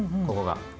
ここが。